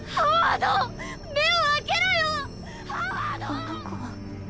あの子は